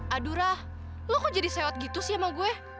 aduh rah lo kok jadi sewat gitu sih sama gue